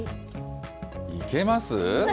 いけます？